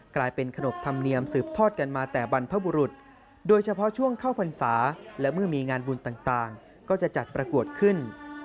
กลายเป็นขนบธรรมเนียมสืบทอดกันมาแต่บรรพบุรุษโดยเฉพาะช่วงเข้าพรรษาและเมื่อมีงานบุญต่างก็จะจัดประกวดขึ้น